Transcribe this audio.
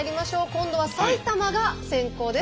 今度は埼玉が先攻です。